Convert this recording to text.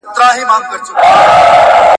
د الله تعالی د نعمتونو شکر ادا کړئ.